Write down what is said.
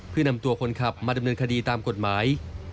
เพื่อนำตัวคนขับมาดำเนินคดีตามกฎหมาย